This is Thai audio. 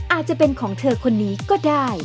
อาจจะเป็นของเธอคนนี้ก็ได้